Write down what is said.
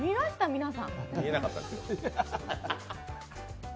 皆さん。